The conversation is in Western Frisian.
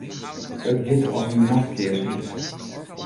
It giet as in nachtkears út.